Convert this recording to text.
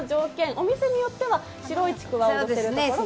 お店によっては白いちくわをのせるところも。